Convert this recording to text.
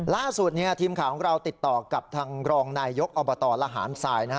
ล่าสุดทีมข่าวของเราติดต่อกับทางรองนายยกอบตระหารทราย